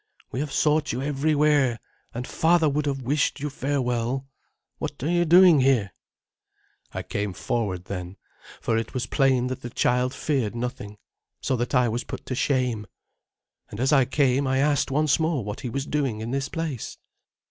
"We have sought you everywhere, and father would have wished you farewell. What are you doing here?" I came forward then, for it was plain that the child feared nothing, so that I was put to shame. And as I came I asked once more what he was doing in this place.